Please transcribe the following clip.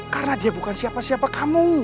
karena dia bukan siapa siapa kamu